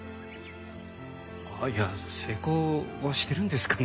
あっいやあ成功してるんですかね？